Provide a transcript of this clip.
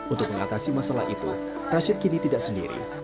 untuk mengatasi masalah itu rashid kini tidak sendiri